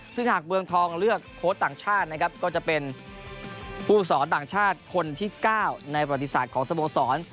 ซึ่งหากเมืองทองเลือกโค้ชต่างชาตินะครับก็จะเป็นผู้สอนต่างชาติคนที่๙ในประวัติศาสตร์ของสโมสร